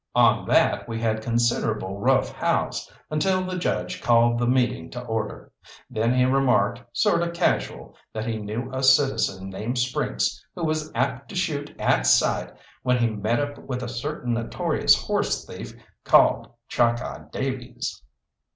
On that we had considerable rough house, until the judge called the meeting to order. Then he remarked, sort of casual, that he knew a citizen named Sprynkes who was apt to shoot at sight when he met up with a certain notorious horse thief called Chalkeye Davies.